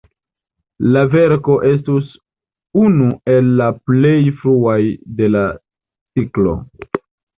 La verko estus unu el la plej fruaj de la ciklo.